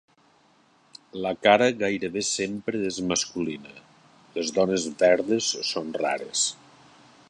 La cara gairebé sempre és masculina; les dones verdes són rares.